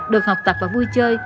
được học tập và vui chơi